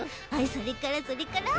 それからそれから。